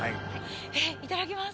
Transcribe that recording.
えっいただきます。